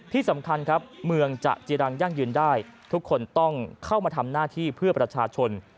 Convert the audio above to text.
ที่สำคัญครับเมืองจะจีรังยั่งยืนได้ทุกคนต้องเข้ามาทำหน้าที่เพื่อประชาชน